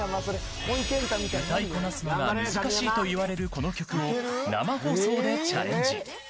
歌いこなすのが難しいといわれるこの曲を生放送でチャレンジ。